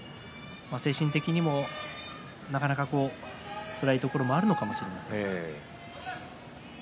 精神的にも、なかなかつらいところもあるのかもしれません。